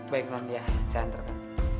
baik non ya saya anterkan